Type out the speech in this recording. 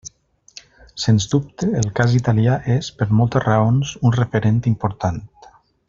Sens dubte, el cas italià és, per moltes raons, un referent important.